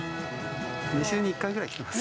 ２週に１回ぐらい来てます。